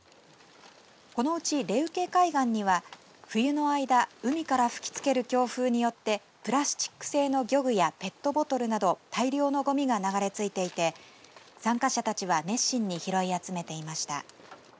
このうち礼受海岸には冬の間海から吹きつける強風によってプラスチック製の漁具やペットボトルなど大量のごみが流れついていて参加者たちは熱心に拾い集めていました。